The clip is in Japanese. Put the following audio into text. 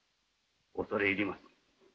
恐れ入ります。